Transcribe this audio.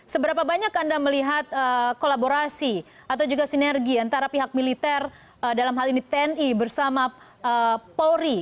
seberapa banyak anda melihat kolaborasi atau juga sinergi antara pihak militer dalam hal ini tni bersama polri